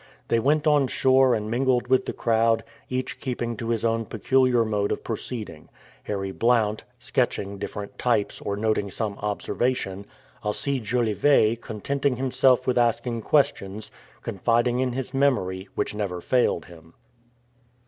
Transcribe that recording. They went on shore and mingled with the crowd, each keeping to his own peculiar mode of proceeding; Harry Blount, sketching different types, or noting some observation; Alcide Jolivet contenting himself with asking questions, confiding in his memory, which never failed him.